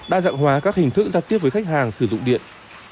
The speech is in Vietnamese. đa dạng hóa các hình thức giao tiếp với khách hàng sử dụng điện